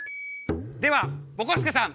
ではぼこすけさん！